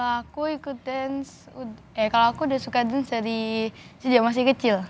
aku ikut dan kalau aku udah suka dance dari sejak masih kecil